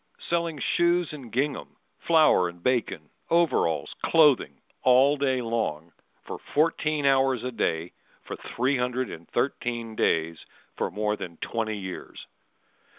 Selling shoes and gingham, Flour and bacon, overalls, clothing, all day long For fourteen hours a day for three hundred and thirteen days For more than twenty years.